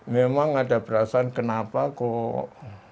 memang ada perasaan kenapa kok